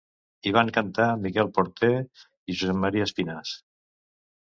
Hi van cantar Miquel Porter i Josep Maria Espinàs.